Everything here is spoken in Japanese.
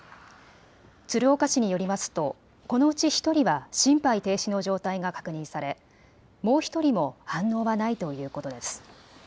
鶴岡市によりますとこのうち１人は心肺停止の状態が確認され、もう１人も反応はないということです。